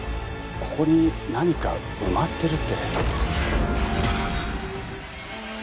ここに何か埋まってるって。